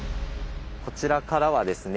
こちらからはですね